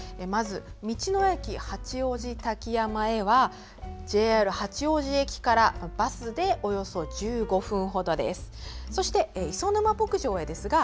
まず道の駅八王子滝山へはＪＲ八王子駅からバスでおよそ１５分ほどです。